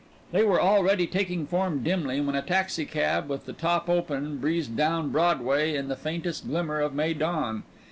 They were already taking form dimly, when a taxi cab with the top open breezed down Broadway in the faintest glimmer of May dawn.